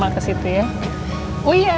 mama kesitu ya